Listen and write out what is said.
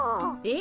え？